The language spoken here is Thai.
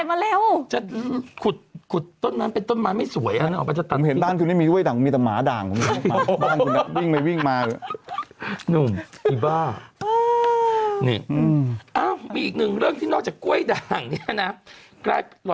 กลายเป็นหรอฉันต้องทำเรื่องก้วยด่างเหรอ